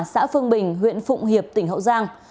xã phương bình huyện phụng hiệp tỉnh hậu giang